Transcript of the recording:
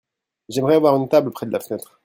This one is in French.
J'aimerais avoir une table près de la fenêtre.